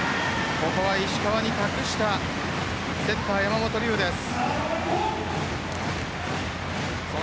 ここは石川に託したセッター山本龍です。